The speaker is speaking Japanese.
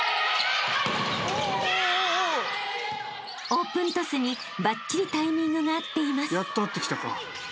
［オープントスにばっちりタイミングが合っています］